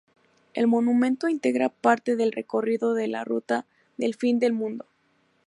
El monumento integra parte del recorrido de la Ruta del Fin del Mundo.